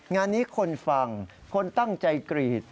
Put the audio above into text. งานนี้คนฟังคนตั้งใจกรีด